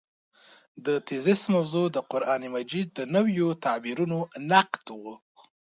د تېزس موضوع د قران مجید د نویو تعبیرونو نقد و.